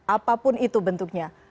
apapun itu bentuknya